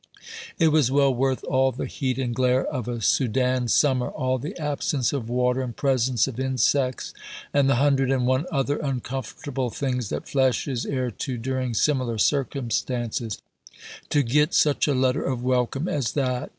It was well worth all the heat and glare of a Soudan summer, all the absence of water, and presence of insects, and the hundred and one other uncomfortable things that flesh is heir to during similar circumstances, to get such a letter of welcome as that.